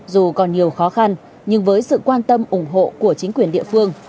dù còn nhiều khó khăn nhưng với sự quan tâm ủng hộ của chính quyền địa phương